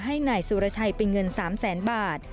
ให้นายสุรชัยเป็นเงิน๓แสนบาท